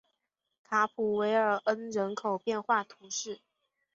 卡普韦尔恩人口变化图示